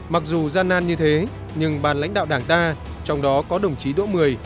mặc dù gian nan như thế nhưng bàn lãnh đạo đảng ta trong đó có đồng chí đỗ mười